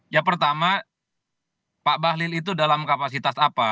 ya pertama pak bahlil itu dalam kapasitas apa